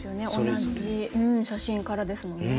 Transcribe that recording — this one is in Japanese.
同じ写真からですもんね。